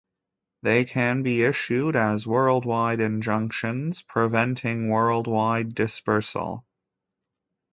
They can be issued as worldwide injunctions, preventing worldwide dispersal.